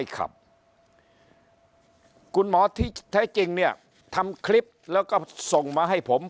คุณหมอที่แท้จริงทำคลิปส่งมาให้ผม